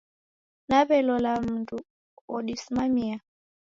Daw'elola mundu odisimamia.